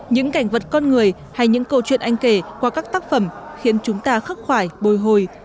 những cảnh vật con người hay những câu chuyện anh kể qua các tác phẩm khiến chúng ta khắc khoải bồi hồi